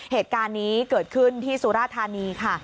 เหตุการณ์นี้เกิดขึ้นที่สุราธานีค่ะ